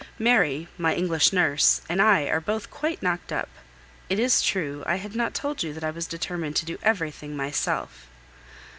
Mary, my English nurse, and I are both quite knocked up. It is true I had not told you that I was determined to do everything myself.